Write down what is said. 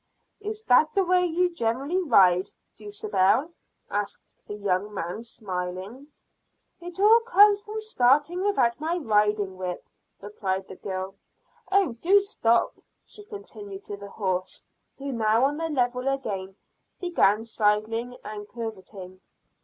"Is that the way you generally ride, Dulcibel?" asked the young man smiling. "It all comes from starting without my riding whip," replied the girl. "Oh, do stop!" she continued to the horse who now on the level again, began sidling and curveting.